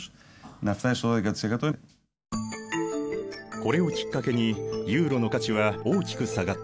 これをきっかけにユーロの価値は大きく下がった。